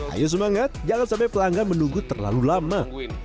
ayo semangat jangan sampai pelanggan menunggu terlalu lama